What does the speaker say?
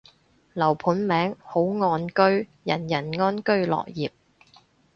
樓盤名，好岸居，人人安居樂業